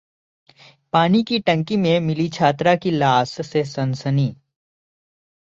पानी की टंकी में मिली छात्र की लाश से सनसनी